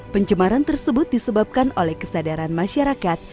pencemaran tersebut disebabkan oleh kesadaran masyarakat